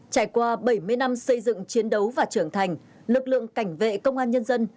trải qua bảy mươi năm xây dựng chiến đấu và trưởng thành lực lượng cảnh vệ công an nhân dân